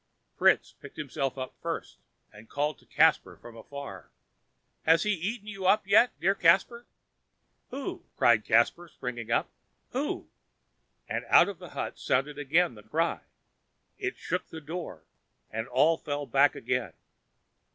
Fritz picked himself up first, and called to Caspar from afar: "Has he eaten you up yet, dear Caspar?" "Who?" cried Caspar, springing up, "who?" And out of the hut sounded again the cry; it shook the door, and all fell back again.